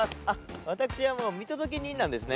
私はもう見届け人なんですね。